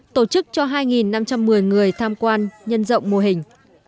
tổ chức cho hai năm trăm một mươi người tham quan nhân rộng mô hình